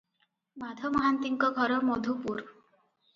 ମାଧ ମହାନ୍ତିଙ୍କ ଘର ମଧୁପୁର ।